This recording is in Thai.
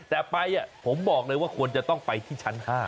แต่ไปผมบอกเลยว่าควรจะต้องไปที่ชั้น๕